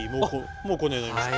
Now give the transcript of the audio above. もうこんなになりました。